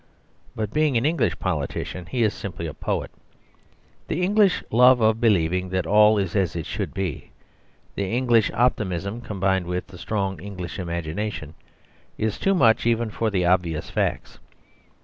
But being an English politician he is simply a poet. The English love of believing that all is as it should be, the English optimism combined with the strong English imagination, is too much even for the obvious facts.